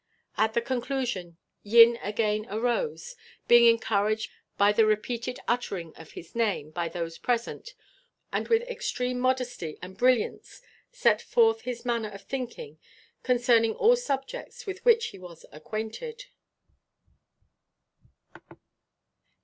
At the conclusion Yin again arose, being encouraged by the repeated uttering of his name by those present, and with extreme modesty and brilliance set forth his manner of thinking concerning all subjects with which he was acquainted.